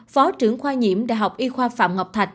phó trưởng khoa nhiễm đại học y khoa phạm ngọc thạch